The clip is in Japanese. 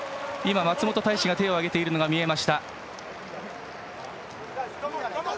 松本泰志が手を上げているのが見えました。